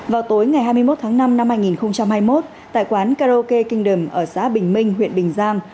vào tối ngày hai mươi một tháng năm năm hai nghìn hai mươi một tại quán karaoke king đầm ở xã bình minh huyện bình giang